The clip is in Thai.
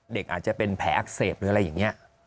เด็กอาจจะเป็นแผลอักเสบหรืออะไรอย่างนี้